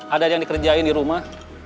ada yang dikerjain di rumah